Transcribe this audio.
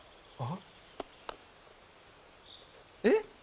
あっ！